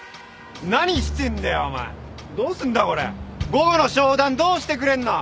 午後の商談どうしてくれんの！？